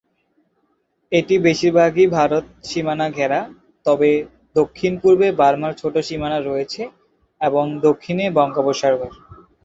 এটি বেশিরভাগই ভারত সীমানা ঘেরা, তবে দক্ষিণ-পূর্বে বার্মার ছোট সীমানা রয়েছে এবং দক্ষিণে বঙ্গোপসাগর রয়েছে।